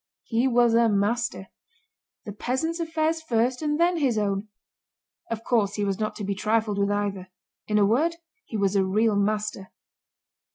"He was a master... the peasants' affairs first and then his own. Of course he was not to be trifled with either—in a word, he was a real master!"